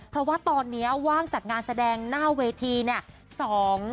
เพราะว่าตอนนี้ว่างจากงานแสดงหน้าเวทีเนี่ย